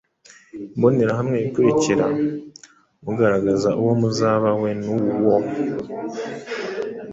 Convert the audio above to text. imbonerahamwe ikurikira mugaragaza uwo muzaba we n’uwo